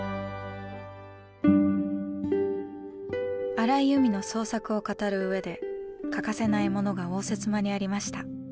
荒井由実の創作を語るうえで欠かせないものが応接間にありました。